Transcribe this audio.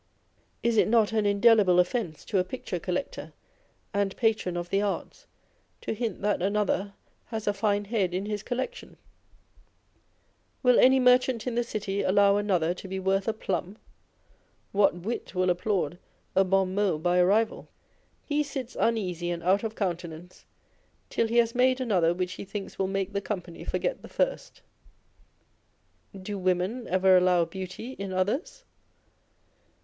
Is it not an indelible offence to a picture collector and patron of the arts, to hint that another has a fine head in his collection ? Will any merchant in the city allow another to be worth a plum ? What wit will applaud a bon mot by a rival ? He sits uneasy and out of coun tenance till he has made another which he thinks will make the company forget the first. Do women ever allow beauty in others